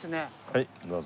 はいどうぞ。